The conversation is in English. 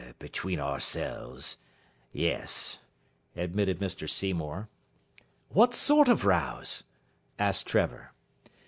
"Between ourselves, yes," admitted Mr Seymour. "What sort of rows?" asked Trevor.